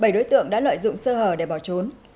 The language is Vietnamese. bảy đối tượng đã lợi dụng sơ hở để bỏ trốn